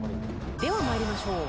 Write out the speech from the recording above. では参りましょう。